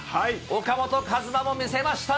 岡本和真も見せましたね。